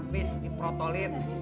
boleh boleh boleh